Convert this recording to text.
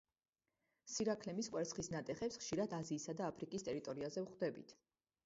სირაქლემის კვერცხის ნატეხებს ხშირად აზიისა და აფრიკის ტერიტორიაზე ვხვდებით.